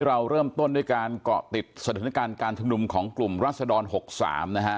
เราเริ่มต้นด้วยการเกาะติดสถานการณ์การชุมนุมของกลุ่มรัศดร๖๓นะฮะ